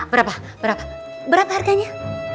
berapa berapa berapa harganya